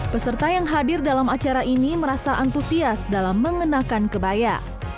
peserta yang hadir dalam acara ini merasa antusias dalam mengenakan kebaya